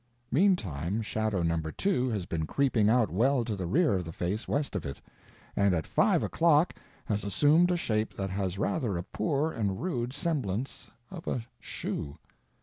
Meantime shadow No. 2 has been creeping out well to the rear of the face west of it—and at five o'clock has assumed a shape that has rather a poor and rude semblance of a shoe.